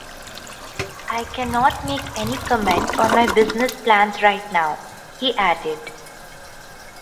I cannot make any comment on my business plans right now. he added.